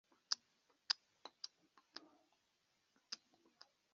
mu minsi iri imbere ateganya kuzabashakira ababaganirira ku dushinga duto abafitiye